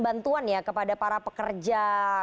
bantuan ya kepada para pekerja